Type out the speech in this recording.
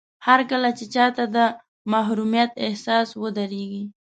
هرکله چې چاته د محروميت احساس ودرېږي.